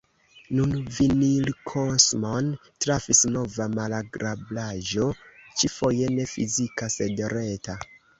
Nun Vinilkosmon trafis nova malagrablaĵo, ĉi-foje ne fizika sed reta.